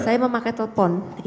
saya memakai telepon